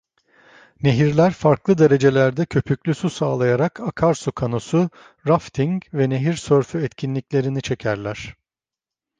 Nehirler farklı derecelerde köpüklü su sağlayarak akarsu kanosu, rafting ve nehir sörfü etkinliklerini çekerler.